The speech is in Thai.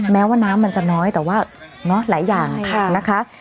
แม้ว่าน้ำมันจะน้อยแต่ว่าหลายอย่างนะคะ